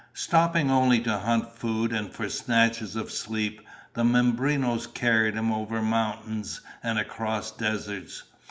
Stopping only to hunt food and for snatches of sleep, the Mimbrenos carried him over mountains and across deserts.